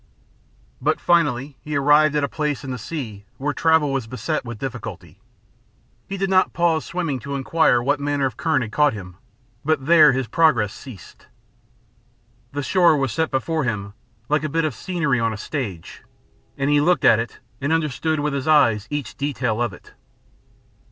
But finally he arrived at a place in the sea where travel was beset with difficulty. He did not pause swimming to inquire what manner of current had caught him, but there his progress ceased. The shore was set before him like a bit of scenery on a stage, and he looked at it and understood with his eyes each detail of it.